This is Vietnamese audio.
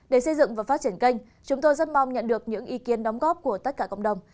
để xây dựng và phát triển kênh chúng tôi rất mong nhận được những ý kiến đóng góp của tất cả cộng đồng